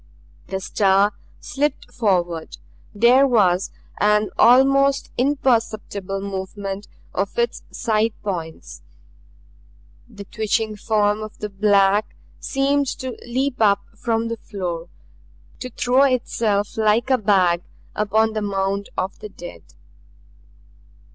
The star slipped forward there was an almost imperceptible movement of its side points. The twitching form of the black seemed to leap up from the floor, to throw itself like a bag upon the mound of the dead.